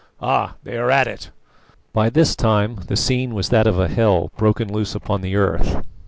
Ah! they are at it." By this time the scene was that of a hell broken loose upon the earth.